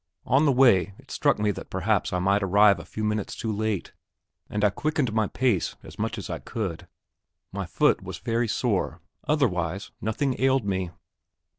On the way it struck me that perhaps I might arrive a few minutes too late, and I quickened my pace as much as I could. My foot was very sore, otherwise nothing ailed me.